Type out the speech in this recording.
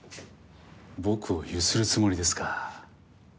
僕をゆするつもりですか。